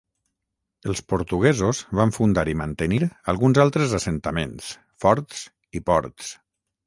Els portuguesos van fundar i mantenir alguns altres assentaments, forts i ports.